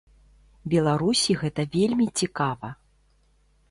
Беларусі гэта вельмі цікава.